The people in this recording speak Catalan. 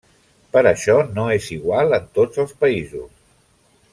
Però això no és igual en tots els països.